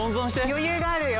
余裕があるよ。